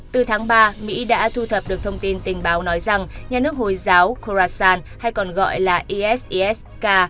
từ tháng ba mỹ đã thu thập được thông tin tình báo nói rằng nhà nước hồi giáo khorasan hay còn gọi là isis k